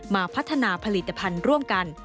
มาพัฒนาผลิตภัณฑ์ร่วมกัน